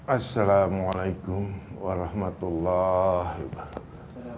assalamualaikum warahmatullahi wabarakatuh